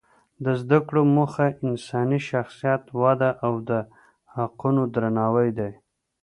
د زده کړو موخه انساني شخصیت وده او د حقوقو درناوی دی.